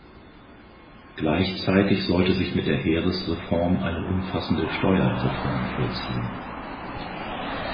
Gleichzeitig sollte sich mit der Heeresreform eine umfassende Steuerreform vollziehen.